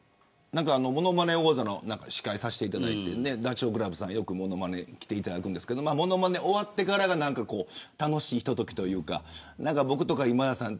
ものまね王座の司会をさせていただいてダチョウ倶楽部さんに物まねに来ていただくんですが物まね終わってからが楽しいひとときというか僕とか今田さん